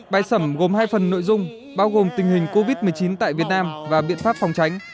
bài sẩm gồm hai phần nội dung bao gồm tình hình covid một mươi chín tại việt nam và biện pháp phòng tránh